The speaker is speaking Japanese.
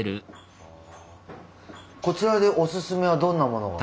こちらでオススメはどんなものが？